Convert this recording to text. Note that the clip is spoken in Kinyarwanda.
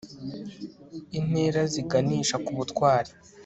intera ziganisha ku butwari